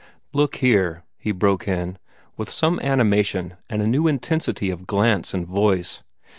"Look here!" he broke in, with some animation and a new intensity of glance and voice.